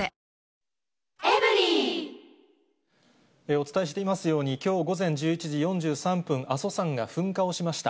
お伝えしていますように、きょう午前１１時４３分、阿蘇山が噴火をしました。